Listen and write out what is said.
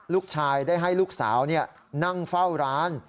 ลูกชายได้ให้ลูกสาวนั่งเฝ้าร้าน